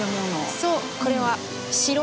そうこれは城。